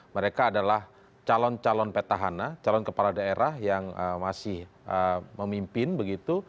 mereka adalah calon calon petahana calon kepala daerah yang masih memimpin begitu